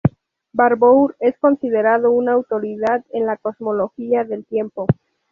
Barbour es considerado una autoridad en la cosmología del tiempo.